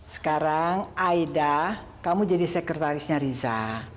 sekarang aida kamu jadi sekretarisnya riza